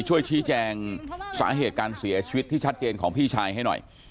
ช่วยชี้แจงสาเหตุการเสียชีวิตที่ชัดเจนของพี่ชายให้หน่อย